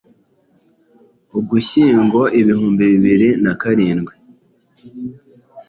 Ugushyingo ibihumbi bibiri na karindwi